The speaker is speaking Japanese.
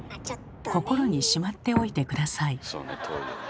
心にしまっておいて下さい。